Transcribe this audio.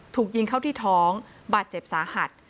ถูกยิงเข้าที่ท้องบาดเจ็บสาหัส